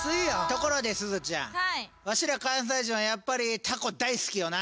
ところですずちゃんわしら関西人はやっぱりたこ大好きよな。